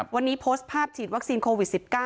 วันนี้โพสต์ภาพฉีดวัคซีนโควิด๑๙